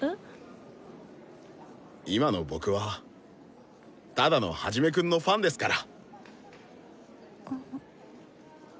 今の僕はただのハジメくんのファンですから。